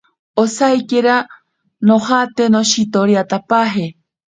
Osaikira nojate noshitoriatapaje.